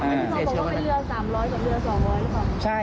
มันก็เป็นเรือ๓๐๐กว่าเรือ๒๐๐หรือเปล่า